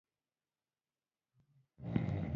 په ژمي کې هوا سړه وي